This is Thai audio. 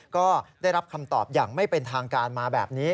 ก็ได้รับคำตอบอย่างไม่เป็นทางการมาแบบนี้